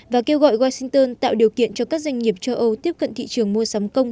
và kêu gọi washington tạo điều kiện cho các doanh nghiệp châu âu tiếp cận thị trường mua sắm công